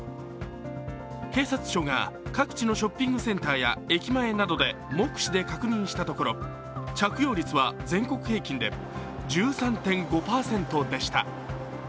警察庁が各地のショッピングセンターや駅前などで目視で確認したところ、着用率は全国平均で１３．５％でした。